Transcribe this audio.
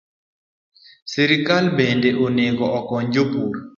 Sirkal bende onego okony jopur